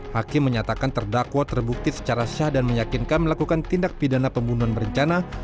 hakim menyatakan terdakwa terbukti secara sah dan meyakinkan melakukan tindak pidana pembunuhan berencana